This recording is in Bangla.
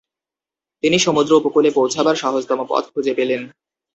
তিনি সমুদ্র উপকূলে পৌঁছাবার সহজতম পথ খুঁজে পেলেন।